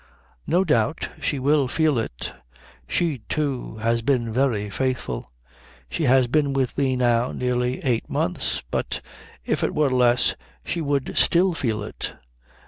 "No doubt she will feel it. She, too, has been very faithful. She has been with me now nearly eight months. But if it were less she would still feel it.